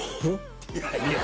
いやいや「え？」